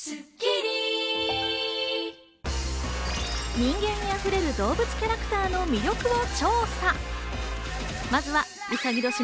人間味あふれる動物キャラクターの魅力を調査。